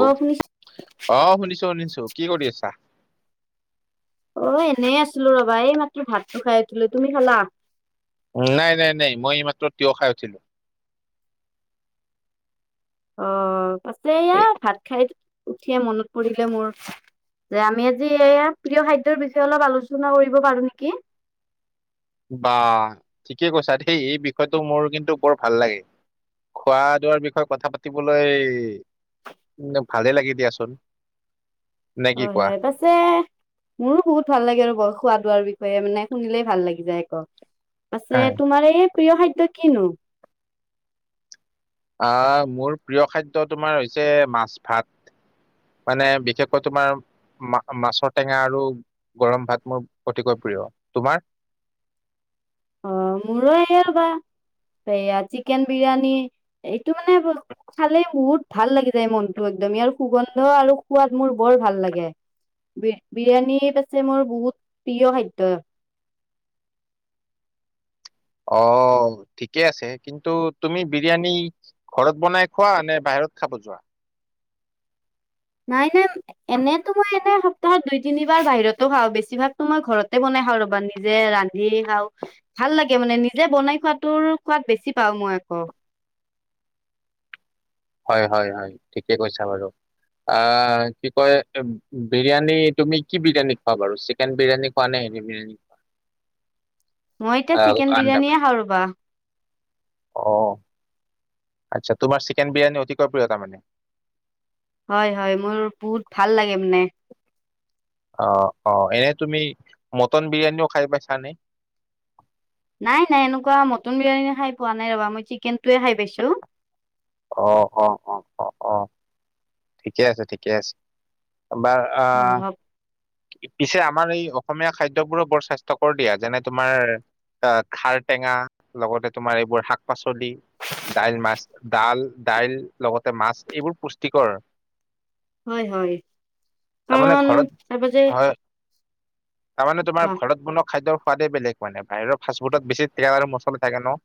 অ শুনিছ অ শুনিছো শুনিছো কি কৰি আছা অ এনেই আছিলো ৰবা এই মাত্ৰ ভাতটো খাই উঠিলো তুমি খালা নাই নাই নাই মই মাত্ৰ তিয়হ খাই উঠিলো। অ', পাছে এয়া এই ভাত খাই উঠিয়ে মনত পৰিলে মোৰ। যে আমি আজি এই প্ৰিয় খাদ্যৰ বিষয়ে আলোচনা কৰিব নেকি। বাঃ ঠিকেই কৈছা দেই, এই বিষয়টো মোৰ কিন্তু বৰ ভাল লাগে। খোৱা-লোৱাৰ বিষয়ে কথা পাতিবলৈ ভালেই লাগি দিয়াচোন। নে কি কোৱা? হয়-হয়। যে মোৰো বহুত ভাল লাগে আৰু খোৱা-লোৱাৰ বিষয়ে মানে শুনিলেই ভাল লাগি যায় আক'। পাছে হয় তোমাৰ এই প্ৰিয় খাদ্য কি নো? আঁহ', মোৰ প্ৰিয় খাদ্য তোমাৰ হৈছে মাছ-ভাত। মানে বিশেষকৈ তোমাৰ- মা-মাছৰ টেঙা আৰু গৰম ভাত মোৰ অতিকৈ প্ৰিয়, তোমাৰ? অ', মোৰো এইয়া হ'ল বা সেয়া চিকেন বিৰিয়ানী এইটো মানে ব- খালে বহুত ভাল লাগি যায় মনতো, একদম আৰু সুগন্ধ আৰু সোৱাদ মোৰ বৰ ভাল লাগে। বি-বিৰিয়ানী হৈছে মোৰ বহুত প্ৰিয় খাদ্য। অ', ঠিকে আছে, কিন্তু তুমি বিৰিয়ানী- ঘৰত বনাই খোৱা নে বাহিৰত খাব যোৱা? নাই-নাই- এনেতো মই এনেই সপ্তাহত দুই তিনিবাৰ বাহিৰতো খাওঁ, বেছিভাগ তো মই ঘৰতে বনাই খাওঁ ৰ'বা নিজে ৰান্ধি- খাওঁ, ভাল লাগে মানে নিজে বনাই খোৱাাতৰ খোৱাত বেছি পাওঁ মই আকৌ। হয়-হয়, ঠিকেই কৈছা বাৰু। আঁহ', কি কয় বিৰিয়ানী তুমি কি বিৰিয়ানী খোৱা বাৰু চিকেন বিৰিয়ানী খোৱা নে হেৰি বিৰিয়ানী? [unintelligible] [unintelligible] আঁহ', চিকেন আন্দা বিৰিয়ানীয়ে পাই, খাওঁ ৰ'বা। অ',। আচ্ছা' তোমাৰ চিকেন বিৰিয়ান অতিকৈ প্ৰিয় মানে। হয়-হয়, মোৰ বহুত ভাল লাগে মানে। অ', -অ',। এনেই তুমি মাটান বিৰিয়ানিও খাই পাইছ নে? নাই-নাই, এনেকুৱা মাটান বিৰিয়ানী খাই পোৱা নাই ৰ'বা মই চিকেনটোৱে খাই পাইছো। অ', -অ', -অহ', -অহ', -অহ', ঠিকে আছে, ঠিকে আছে। এবাৰ- আঁ- অ' পিছে আমাৰ এই অসমীয়া খাদ্যবোৰো বৰ স্বাস্থ্যকৰ দিয়া, যেনে- তোমাৰ- আঁ' খাৰ টেঙা লগতে তোমাৰ এইবোৰ শাক-পাচলি। দাইল-মাছ, ডাল, দাইল লগতে মাছ এইবোৰ পুষ্টিকৰ। হয়-হয়, তাৰমানে কাৰণ ঘৰত তাৰপাছত হয় তাৰমানে তোমাৰ কোৱা ঘৰত বনোৱা খাদ্যৰ সোৱাদেই বেলেগ মানে বাহিৰৰ ফাষ্টফুডত বেছি তেল আৰু মছলা থাকে ন'।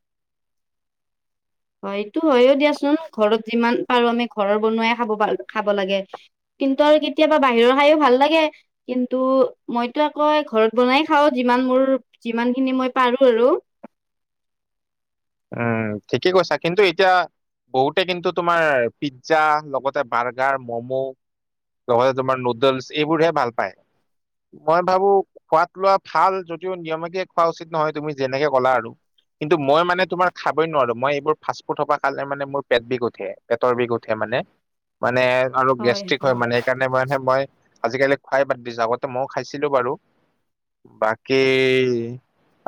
হয়, এইটো হয়ও দিয়াচোন, ঘৰত যিমান পাৰো আমি ঘৰৰ বনোৱাই খাব পাৰো খাব লাগে। কিন্তু আৰু কেতিয়াবা বাহিৰৰ খাইয়ো ভাল লাগে। কিন্তু মইতো আকৌ ঘৰত বনাই খাওঁ যিমান মোৰ যিমান খিনি মই পাৰো আৰু। উমঁ, ঠিকেই কৈছা, কিন্তু এতিয়া- বহুতে কিন্তু তোমাৰ পিকজ্জা লগতে বাৰ্গাৰ, ম'ম- লগতে তোমাৰ নুডেলছ এইবোৰহে ভাল পায়। মই ভাবো খোৱাত-লোৱা ভাল যদিও নিয়মিকে খোৱা উচিত নহয় তুমি যেনেকে ক'লা আৰু। কিন্ত মই মানে তোমাৰ খাবই নোৱাৰো, মই এইবোৰ- ফাষ্টফুট পৰা খালে মানে মোৰ পেট বিষ উঠে, পেটৰ বিষ উঠে মানে- আৰু গেষ্ট্ৰিক হয় মানে সেইকাৰণে মানে মই আজিকালি খোৱাই বাদ দিছো আগতে মইও খাইছিলো বাৰু। বাকী'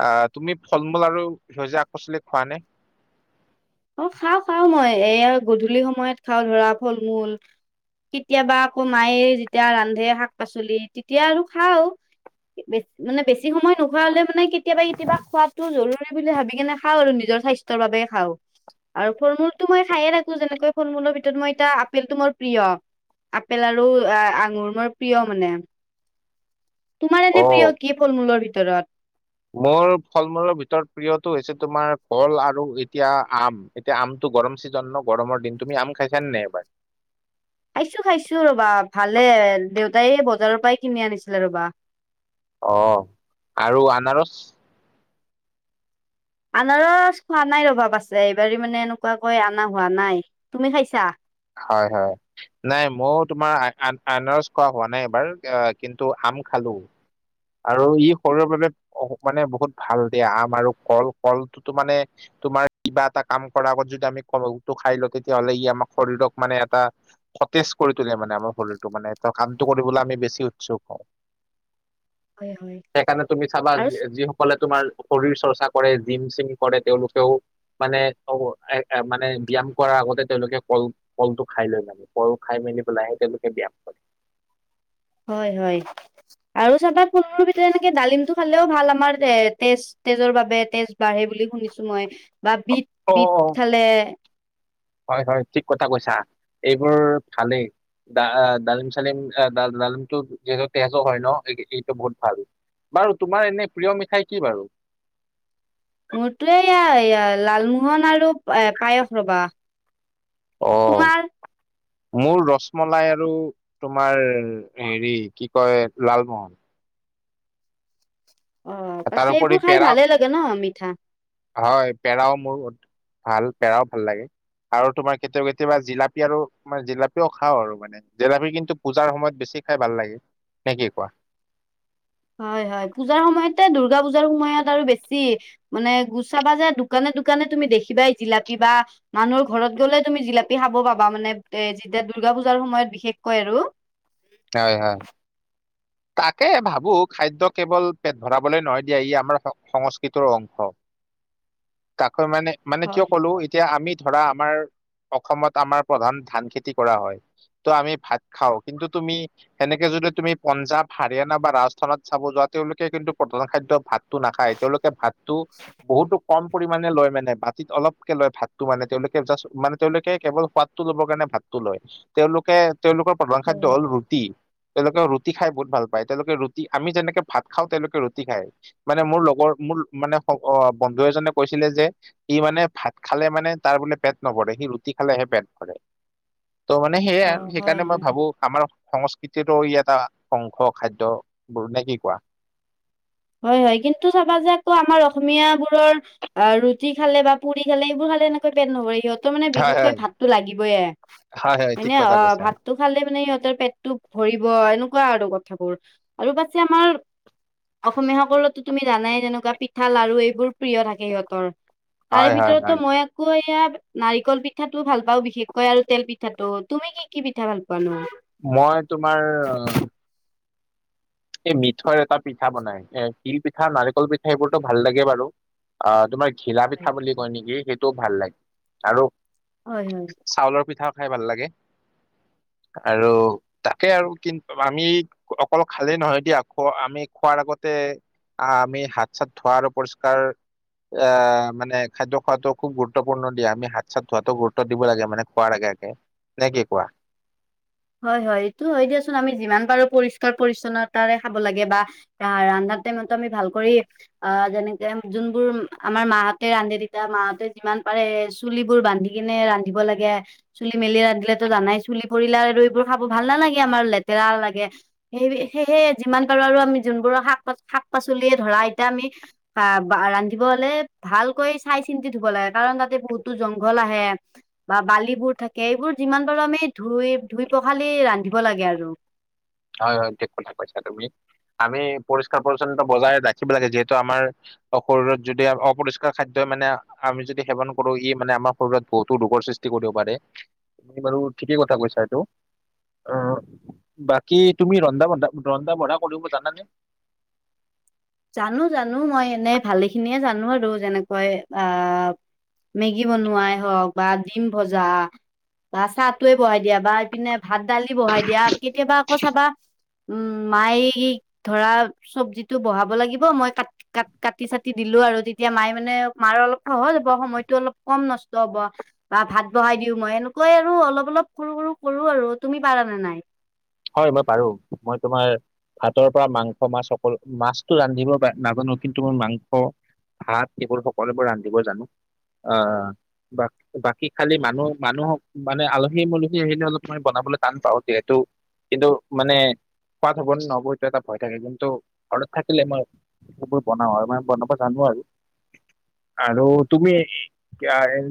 আঁহ' তুমি ফল-মূল আৰু সেউজীয়া শাক-পাচলি খোৱা নে? অ, খাওঁ, খাওঁ মই। এয়া গধূলি সময়ত খাওঁ ধৰা ফল-মূল। কেতিয়াবা আকৌ মায়ে যেতিয়া ৰান্ধে শাক-পাচলি তেতিয়া আৰু খাওঁ। ে মানে বেছি নোখা হলে মানে কেতিয়াবা কেতিয়াবা খোৱাাতটো জৰুৰী বুলি ভাবি কেনে খাওঁ নিজৰ স্বাস্থ্য। [inaudible] মানে বেছি নোখা হলে মানে কেতিয়াবা, কেতিয়াবা খোৱাাতটো জৰুৰী বুলি ভাবি কেনে খাওঁ আৰু। নিজৰ স্বাস্থ্য ৰ বাবে খাওঁ। আৰু ফল-মূলতটো মই খায়ে থাকো, যেনেকৈ ফুল-মূলৰ ভিতৰত মই এতিয়া আপেলটো মোৰ প্ৰিয়। আপেল আৰু আঙুৰ মোৰ প্ৰিয় মানে। তোমাৰ অ এনেই প্ৰিয় কি ফল-মূলৰ ভিতৰত? মোৰ ফল মূলৰ ভিতৰত প্ৰিয়টো হৈছে তোমাৰ ভ'ল আৰু এতিয়া আম। এতিয়া আমটো গৰম ছিজন ন' গৰমৰ দিন তুমি আম খাইছানে নাই এইবাৰ? খাইছো, খাইছো, ৰবা ভালে দেউতাই বজাৰৰ পৰাই কিনি আনিছিলে ৰবা। অ, আৰু আনাৰস? আনাৰস খোৱা নাই ৰবা আছে, এইবাৰি মানে এনেকোৱা কৈ আনাৰস আনা হোৱা নাই, তুমি খাইছা? হয়, হয়। নাই ময়ো তোমাৰ আনাৰস খোৱা হোৱা নাই, এইবাৰ কিন্তু আম খালো। আৰু ই শৰীৰৰ বাবে মানে বহুত ভাল দিয়া। আম আৰু কল-কলটোতো মানে, তোমাৰ কিবা এটা কাম কৰাৰ আগত যদি আমি কলটো খাই লওঁ, তেতিয়া হ'লে ই আমাৰ শৰীৰক মানে এটা সতেজ কৰি তোলে মানে আমাৰ শৰীৰটো মানে কামটো কৰিবলৈ আমি বেছি উৎসুক হওঁ। হয়, হয়। সেইকাৰণে তুমি চাবা, আৰু যিসকলে তোমাৰ শৰীৰ চৰ্চা কৰে, জিম-চিম কৰে। তেওঁলোকেও মানে অ, মানে ব্যয়াম কৰাৰ আগতে তেওঁলোকে কল কলটো খাই লয় মানে। কল খাই মেলি পেলাইহে তেওঁলোকে ব্যায়াম কৰে। হয়, হয়, আৰু চাবা ফল-মূলৰ ভিতৰত এনেকে ডালিমটো খালেও ভাল। আমাৰ তেজ তেজৰ বাবে তেজ বাঢ়ে বুলি শুনিছো মই বা বিত, অ অ বিত খালে। হয়, হয় ঠিক কথা কৈছা, এইবোৰ ভালেই। ডা-ডালিম-চালিম ডালিমটো যিহেতু তেজো হয় ন' এইটো বহুত ভাল। বাৰু তোমাৰ এনেই প্ৰিয় মিঠাই কি বাৰু? মোৰতো এয়া লালমোহন আৰু পায়স ৰ'বা। অ', তোমাৰ মোৰ ৰছমলাই আৰু তোমাৰ হেৰি কি কয়? লালমোহন। অ, পাছে তাৰোপৰি এইবোৰ খাই পেৰা ভালেই লাগে ন' মিঠা। হয়। পেৰাও মোৰ ভাল পেৰাও ভাল লাগে। আৰু তোমাৰ কেতিয়াবা, কেতিয়াবা জিলাপি আৰু জিলাপিও খাও আৰু মানে। জেলেপী কিন্তু পুজাৰ সময়ত বেছি খাই ভাল লাগে। নে কি কোৱা? হয়, হয়। পূজাৰ সময়তে দুৰ্গা পূজাৰ সময়ত আৰু বেছি। মানে গুচাবা যে দোকানে, দোকানে তুমি দেখিবা জিলাপি বা মানুহৰ ঘৰত গ'লেই তুমি জিলাপি খাব পাবা মানে এ যেতিয়া দৰ্গা পূজাৰ সময়ত বিশেষকৈ আৰু। হয়, হয়। তাকে ভাবো খাদ্য কেৱল পেট ভৰাবলৈ নহয় দিয়া, ই আমাৰ সংস্কৃতৰ অংশ। [inaudible] তাকৈ মানে, মানে কিয় হয় ক'লো? এতিয়া আমি ধৰা আমাৰ অসমত আমাৰ প্ৰধান ধান খেতি কৰা হয়। ত' আমি ভাত খাওঁ, কিন্তু তুমি সেনেকে যদি তুমি পঞ্জাৱ, হাৰিয়ানা বা ৰাজস্থানত চাব যোৱা তেওঁলোকে কিন্তু প্ৰধান খাদ্য ভাত। টো নাখায় তেওঁলোকে ভাতটো বহুতো কম পৰিমাণে লয় মানে বাতিত অলপকে লয় ভাতটো মানে তেওঁলোকে জাষ্ট মানে তেওঁলোকে কেৱল সোৱাদটো ল'ব কাৰণে ভাতটো লয়। তেওঁলোকে তেওঁলোকৰ প্ৰধান খাদ্য হয় হ'ল ৰুটি, তেওঁলোকে ৰু টি খাই বহুত ভাল পায়, তেওঁলোকে ৰুটি আমি যেনেকে ভাত খাওঁ তেওঁলোকে ৰুটি খায়। মানে মোৰ লগৰ মোৰ মানে বন্ধু এজনে কৈছিলে যে সি মানে ভাত খালে মানে তাৰ বোলে পেট নভৰে, সি ৰুটি খালেহে পেট ভৰে। [inaudible] ত' মানে অ সেয়াই, হয় সেইকাৰণে মই হয় ভাবো আমাৰ সংস্কৃতিতো ই এটা শংখ খাদ্যবোৰ নে কি কোৱা। হয়, হয় কিন্তু চাবা যে আকৌ আমাৰ অসমীয়া বোৰৰ অ' ৰুটি খালে বা পুৰি খালে এইবোৰ খালে পেট নভৰে। সিহঁত ত মানে হয় বিশেষকৈ হয় ভাতটো লাগিবইে হয় ন, ঠিক কথা অ' কৈছা ভাত টো খালে মানে সিহঁতৰ পেটটো ভৰিব এনেকুৱা আৰু কথাবোৰ। আৰু পাছে আমাৰ অসমীয়া সকলো তুমি জানাই যেনেকুৱা পিঠা লাৰু এইবোৰ প্ৰিয় থাকে সিহঁতৰ। তাৰে হয় হয় ভিতৰততো হয় মই আকৌ এইয়া নাৰিকল পিঠাটো ভাল পাওঁ বিশেষকৈ আৰু তেল পিঠাটো। তুমি কি কি পিঠা ভাল পোৱা নো? মই তোমাৰ এই মিঠৈৰ এটা পিঠা বনাই, এ তিল পিঠা নাৰিকল পিঠা এইবোৰতো ভাল লাগে বাৰু, অ' তোমাৰ ঘিলা পিঠা বুলি কয় নেকি সেইটোও ভাল লাগে। আৰু হয়, হয়। চাউলৰ পিঠাও খাই ভাল লাগে। আৰু তাকে আৰু কিন্তু আমি অকল ভালেই নহয় দিয়া, খোৱা আমি খোৱাৰ আগতে আমি হাত চাত ধোৱা আৰু পৰিষ্কাৰ আহ মানে খাদ্য খোৱাটো খুব গুৰুত্বপূৰ্ণ দিয়া, আমি হাত চাত ধোৱাতো গুৰুত্ব দিব লাগে। মানে খোৱাৰ আগে আগে নে কি কোৱা? হয়, হয়। এইটো হয় দিয়াচোন আমি যিমান পাৰো পৰিষ্কাৰ পৰিচ্ছন্নতাৰে খাব লাগে। বা আহ ৰান্ধা টাইমতো আমি ভাল কৰি অ' যেনেকে যোনবোৰ আমাৰ মাহঁতে ৰান্ধে, তেতিয়া মাহঁতে যিমান পাৰে চুলিবোৰ বান্ধি ৰান্ধিব লাগে, চুলি মেলি ৰান্ধিলেতো জানাই পৰিল আৰু এইবোৰ খাব ভাল নালাগে, আমাৰ লেতেৰাও লাগে। সেই সেয়েহে যিমান পাৰো আৰু আমি যোনবোৰ শাকা শাক পাচলিয়ে ধৰা এতিয়া আমি আহ বা ৰান্ধিব হ'লে ভালকৈ চাই চিন্তি ধুব লাগে, কাৰণ তাতে বহুতো জংঘল আহে বা বালিবোৰ থাকে। এইবোৰ যিমান পাৰো আমি ধুই ধুই পখালি ৰান্ধিব লাগে আৰু। হয়, হয় ঠিক কথা কৈছা তুমি, আমি পৰিষ্কাৰ পৰিচ্ছন্নতা বজাই ৰাখিব লাগে। যিহেতু আমাৰ ত' শৰীৰত যদি অপৰিষ্কাৰ খাদ্যই মানে আমি যদি সেৱন কৰো ই মানে আমাৰ শৰীৰত বহুতো ৰোগৰ সৃষ্টি কৰিব পাৰে। তুমি বাৰু ঠিকেই কথা কৈছা এইটো। অ' বা কি তুমি ৰন্ধা বন্ধা ৰন্ধা বঢ়া জানা নে? জানো জানো মই এনেই ভালেখিনিয়ে জানো আৰু, যেনেকৈ আ মেগী বনোৱাই হওঁক বা ডিম ভজা বা চাহটোৱে বহাই দিয়া বা ইপিনে ভাত দালি বহাই দিয়া কেতিয়াবা আকৌ চাবা উম মাই ধৰা চব্জিটো বহাব লাগিব, মই কাট কাট কাটি চাটি দিলো আৰু, তেতিয়া মায়ে মানে মাৰ অলপ সহজ হ'ব সময়টো অলপ কম নষ্ট হ'ব। বা ভাত বহাই দিওঁ, মই এনেকুৱাই আৰু অলপ অলপ সৰু সৰু কৰো আৰু। তুমি পাৰা নে নাই? হয়। মই পাৰো, মই তোমাৰ ভাতৰ পৰা মাংস মাছ সকলো, মাছটো ৰান্ধিব নাজানো, কিন্তু মই মাংস ভাত এইবোৰ সকলোবোৰ ৰান্ধিব জানো। আহ বা বাকী খালি মানুহ মানুহক মানে আলহী-মালহী আহিলি অলপমান বনাবলৈ টান পাওঁ যিহেতু কিন্তু মানে সোৱাদ হ'ব নে নহ'ব এইটো এটা ভয় থাকে কিন্তু ঘৰত থাকিলে মই সেইবোৰ বনও আৰু মই বনাব জানো আৰু। আৰু তুমি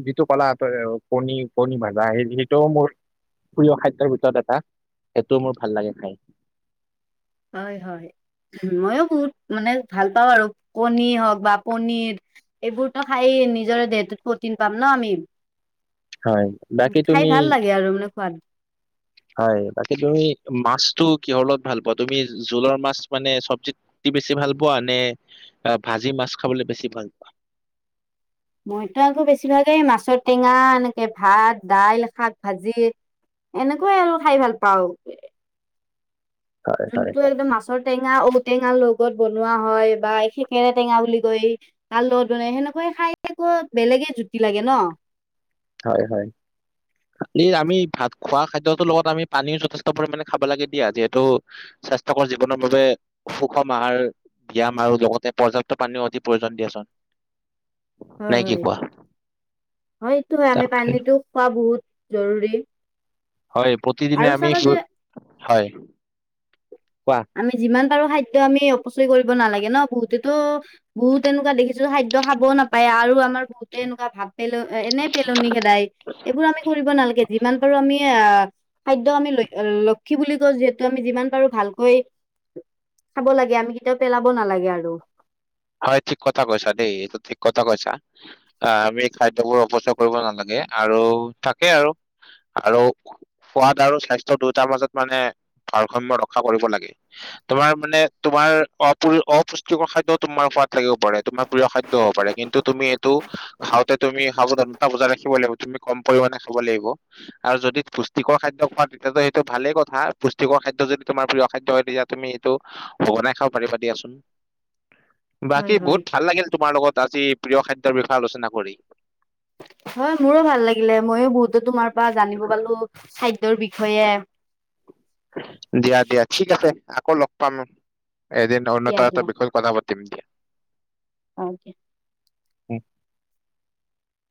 যিটো কলা তই কণী কণী ভাজা সেইটো মোৰ প্ৰিয় খাদ্যৰ ভিতৰত এটা। সেইটোও মোৰ ভাল লাগে খাই। হয় হয় ময়ো বহুত মানে ভাল পাওঁ আৰু কণী হওক বা পনীৰ এইবোৰতো খাই নিজৰ দেহটোত প্ৰ'টিন পাম ন আমি। হয় বাকী খাই তুমি ভাল লাগে আৰু মানে খোৱাদ হয় বাকী তুমি মাছটো কিহৰ লগত ভাল পোৱা? তুমি জোলৰ মাছ মানে চবজিত টি বেছি ভাল পোৱা নে, ভাজি মাছ খাবলে বেছি ভাল পোৱা? মইতো আকৌ বেছিভাগেই মাছৰ টেঙা এনেকে ভাত, দাইল, শাক, ভাজি এনেকুৱাই আৰু খাই ভাল পাওঁ। হয় হয় যোনটো একদম মাছৰ টেঙা, ঔটেঙাৰ লগত বনোৱা হয় বা সেকেৰে টেঙা বুলি কৈ তাৰ লগত মনে সেনেকুৱাই খাই আকৌ বেলেগে জুতি লাগে ন? হয় হয়। আমি ভাত খোৱা খাদ্যটোৰ লগত আমি পানী যথেষ্ট পৰিমাণে খাব লাগে দিয়া যিহেতু স্বাস্থ্যকৰ জীৱনৰ বাবে সুষম আহাৰ ব্যায়াম আৰু লগতে প্ৰযুক্তি পানীও অতি প্ৰয়োজন দিয়াচোন, হয় নে কি হয় কোৱা? হয় এইটো হয় আমি তাকে। পানীটো খোৱা বহুত জৰুৰী। হয় প্ৰতিদিনে আৰু আমি, চাবা যে হয়, কোৱা। আমি যিমান পাৰো খাদ্য আমি অপচয় কৰিব নালাগে ন বহুতেটো বহুত এনেকুৱা দেখিছো খাদ্য খাবও নাপায় আৰু আমাৰ বহুতে এনেকুৱা ভাত পেলো, এনে পেলনি খেদাই এইবোৰ আমি কৰিব নালাগে। যিমান পাৰো আমি আহ, খাদ্য আমি ল-লক্ষী বুলি কওঁ যিহেতু আমি যিমান পাৰো ভাল কৈ, খাব লাগে আমি কেতিয়াও পেলাব নালাগে আৰু। হয় ঠিক কথা কৈছা দেই, এইটো ঠিক কথা কৈছা। অ আমি খাদ্য বোৰ অৱচয় কৰিব নালাগে আৰু থাকে আৰু আৰু সোৱাদ আৰু স্বাস্থ্য দুটাৰ মাজত মনে বাৰৰ্ষম্য ৰক্ষা কৰিব লাগে। তোমাৰ মানে তোমাৰ অপ-অপুষ্টিকৰ খাদ্যত তোমাৰ সোৱাদ লাগিব পাৰে, তোমাৰ প্ৰিয় খাদ্য হ'ব পাৰে কিন্তু তুমি এইটো খাওঁতে তুমি খাবদন্ত বজাই ৰাখিব লাগিব, তুমি কম পৰিমাণে খাব লাগিব। আৰু যদি পুষ্টিকৰ খাদ্য খোৱা তেতিয়াতো সেইটো ভালে কথা, পুষ্টিকৰ খাদ্য যদি তোমাৰ খাদ্য হয় তেতিয়া তুমি এইটো বনাই খাব পাৰিবা দিয়াচোন। হয় বাকী হয় বহুত ভাল লাগিল তোমাৰ লগত আজি প্ৰিয় খাদ্যৰ বিষয়ে আলোচনা কৰি। হয় মোৰো ভাল লাগিলে ময়ো বহুতো তোমাৰ পা জানিব পালো খাদ্যৰ বিষয়ে দিয়া দিয়া ঠিক আছে আকৌ লগ পাম, এদিন অন্যটো দিয়া এটা দিয়া বিষয় কথা পাতিম দিয়া। অ দিয়া।